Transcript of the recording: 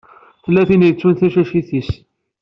Tella tin i yettun tacacit-is.